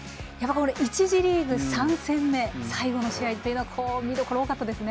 １次リーグ３戦目最後の試合というのは見どころ多かったですね。